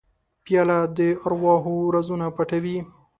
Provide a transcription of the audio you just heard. پیاله د ارواحو رازونه پټوي.